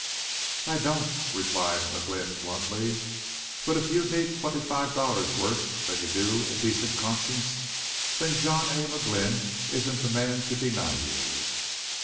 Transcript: "I don't," replied McGlynn bluntly. "But if you need twenty five dollars worse than you do a decent conscience, then John A. McGlynn isn't the man to deny you!"